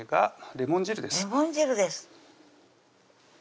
レモン汁です